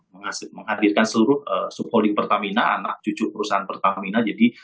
menghadirkan seluruh subholding pertamina anak cucu perusahaan pertamina jadi